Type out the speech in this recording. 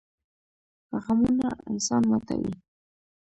غمونه انسان ماتوي